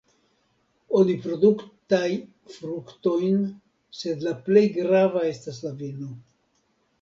Oni produktaj fruktojn, sed la plej grava estas la vino.